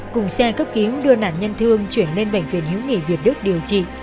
cùng xe cấp cứu đưa nạn nhân thương chuyển lên bệnh viện hiếu nghị việt đức điều trị